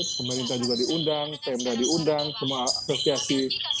pemerintah juga diundang pemda diundang semua asosiasi